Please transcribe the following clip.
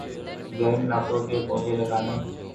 گرم علاقوں کے پودے لگانے